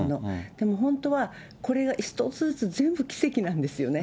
でも本当はこれが一つずつ、全部奇跡なんですよね。